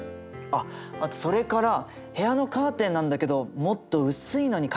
あっあとそれから部屋のカーテンなんだけどもっと薄いのに替えてくれないかな？